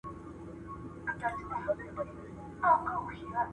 د ساحې لیدنه د کتابونو تر لوستلو اغېزناکه ده.